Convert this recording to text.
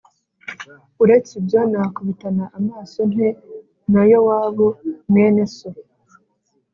Uretse ibyo, nakubitana amaso nte na Yowabu mwene so?”